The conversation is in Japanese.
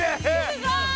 すごい！